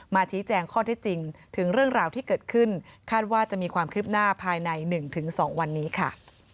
ชี้แจงข้อที่จริงถึงเรื่องราวที่เกิดขึ้นคาดว่าจะมีความคืบหน้าภายใน๑๒วันนี้ค่ะ